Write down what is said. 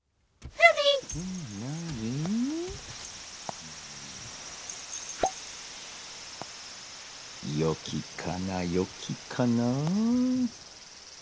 よきかなよきかな。